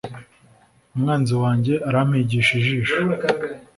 umwanzi wanjye arampigisha ijisho